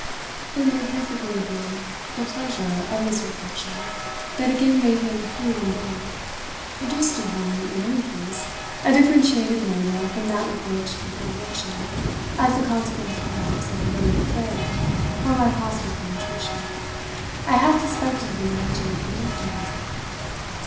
It may perfectly have been the pleasure of this reflection that again made him free and gay produced in him, in any case, a different shade of manner from that with which, before luncheon, as the consequence perhaps of a vague flair for my possible penetration, I had suspected him of edging away from me.